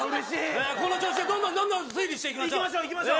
この調子でどんどんどんどん推理していきましょう。